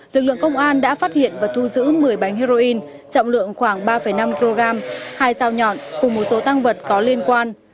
lực lượng công an đã phát hiện và thu giữ một mươi bánh heroin trọng lượng khoảng ba năm kg hai dao nhọn cùng một số tăng vật có liên quan